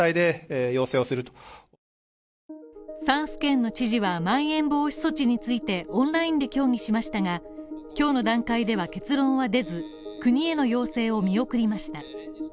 ３府県の知事はまん延防止措置について、オンラインで協議しましたが、今日の段階では結論は出ず、国への要請を見送りました。